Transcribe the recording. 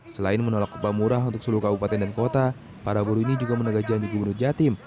selain menolak upah murah untuk seluruh kabupaten dan kota para buruh ini juga menegak janji gubernur jatim